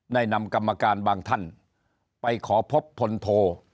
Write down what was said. นำกรรมการบางท่านไปขอพบพลโท